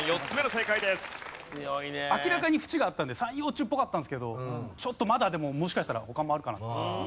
明らかに縁があったので三葉虫っぽかったんですけどちょっとまだでももしかしたら他もあるかなと。